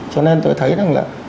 cho nên tôi thấy rằng là